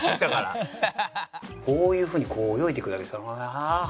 こういうふうにこう泳いでいくわけですから。